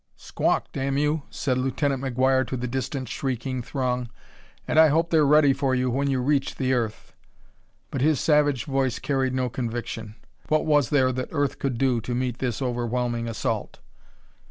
"Squawk, damn you!" said Lieutenant McGuire to the distant shrieking throng; "and I hope they're ready for you when you reach the earth." But his savage voice carried no conviction. What was there that Earth could do to meet this overwhelming assault?